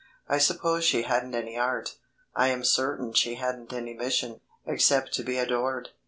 I suppose she hadn't any art; I am certain she hadn't any mission, except to be adored.